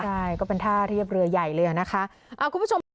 ใช่ก็เป็นท่าเทียบเรือใหญ่เลยอ่ะนะคะคุณผู้ชมค่ะ